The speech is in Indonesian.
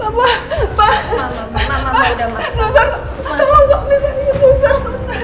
apapun ya suser